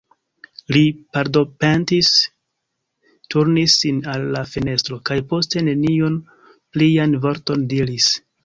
Li pardonpetis, turnis sin al la fenestro, kaj poste neniun plian vorton diris.